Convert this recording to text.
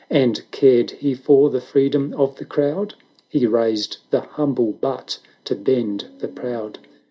And cared he for the freedom of the crowd ? He raised the humble but to bend the proud.